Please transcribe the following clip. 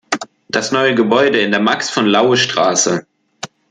Das neue Gebäude in der Max-von-Laue-Str.